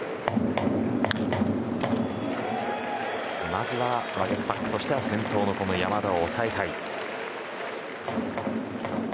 まずはワゲスパックとしては先頭の山田を抑えたい。